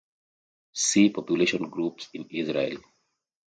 "See population groups in Israel".